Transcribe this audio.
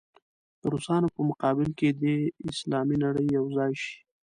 د روسانو په مقابل کې دې اسلامي نړۍ یو ځای شي.